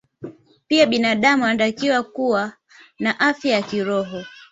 Pia binadamu anatakiwa kuwa na afya ya kiroho